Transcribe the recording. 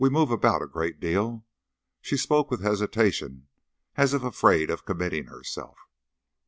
We move about a great deal." She spoke with hesitation, as if afraid of committing herself.